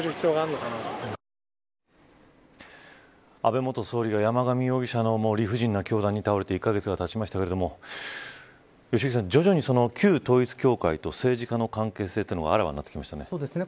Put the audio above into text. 安倍元総理は、山上容疑者の理不尽な凶弾に倒れて１カ月が経ちましたが良幸さん、徐々に旧統一教会と政治家の関係性というのがあらわになってきましたね。